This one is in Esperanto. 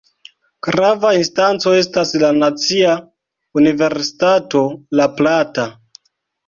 Grava instanco estas la Nacia Universitato La Plata.